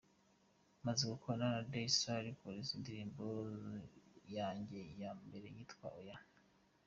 Maze gukorana na DayStar Records indirimbo yanjye ya mbere yitwa ’Oya’.